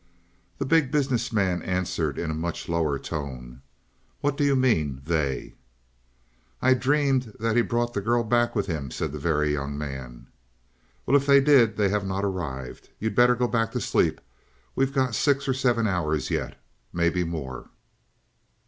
The Big Business Man answered in a much lower tone. "What do you mean they?" "I dreamed that he brought the girl back with him," said the Very Young Man. "Well, if he did, they have not arrived. You'd better go back to sleep. We've got six or seven hours yet maybe more."